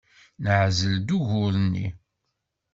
Neɛzel-d ugur-nni.